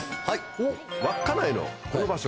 稚内のこの場所。